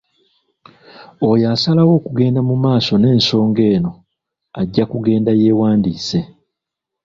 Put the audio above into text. Oyo asalawo okugenda mu maaso n’ensonga eno ajja kugenda yeewandiise.